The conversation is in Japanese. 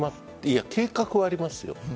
計画はありますよ。